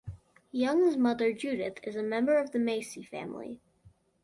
Young's mother Judith is a member of the Massey family.